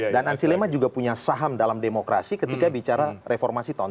dan an silema juga punya saham dalam demokrasi ketika bicara reformasi tahun sembilan puluh delapan